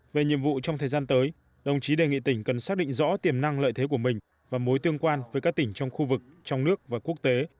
về nhiệm vụ trong thời gian tới đồng chí đề nghị tỉnh cần xác định rõ tiềm năng lợi thế của mình và mối tương quan với các tỉnh trong khu vực trong nước và quốc tế